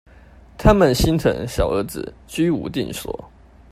他們心疼小兒子居無定所